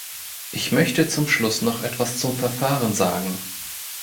Ich möchte zum Schluss noch etwas zum Verfahren sagen.